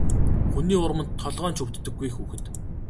Хүний урманд толгой нь ч өвддөггүй хүүхэд.